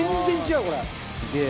すげえ！